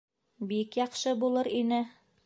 Бик яҡшы булыр ине